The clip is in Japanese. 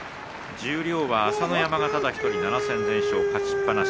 十両は朝乃山ただ１人７戦全勝の勝ちっぱなし。